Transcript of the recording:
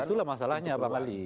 itulah masalahnya bang ali